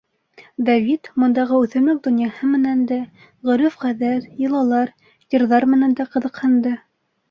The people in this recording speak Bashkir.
Давид бындағы үҫемлек донъяһы менән дә, ғөрөф-ғәҙәт, йолалар, йырҙар менән дә ҡыҙыҡһынды.